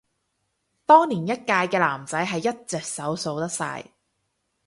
當年一屆嘅男仔係一隻手數得晒